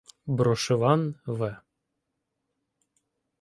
Брошеван В.